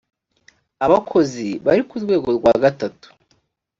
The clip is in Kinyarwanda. abakozi bari ku rwego rwa gatatu